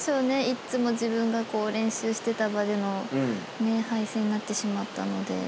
いつも自分が練習してた場での敗戦になってしまったので。